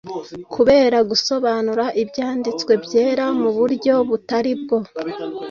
Kubera gusobanura Ibyanditswe byera mu buryo butari bwo,